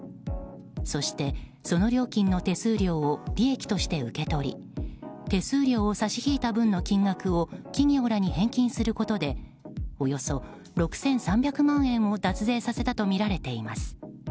そして、その料金の手数料を利益として受け取り手数料を差し引いた分の金額を企業らに返金することでおよそ６３００万円を脱税させたとみられています。